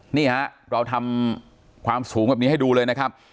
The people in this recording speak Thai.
นี่ฮะเราทำความสูงแบบนี้ให้ดูเลยนะครับ